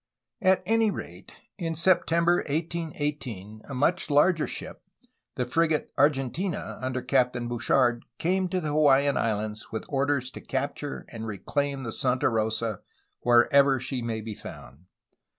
At any rate, in September 1818 a much larger ship, the frigate Argentina, under Captain Bouchard, came to the Hawaiian Islands with orders to capture and reclaim the Santa Rosa "wherever she may be found.''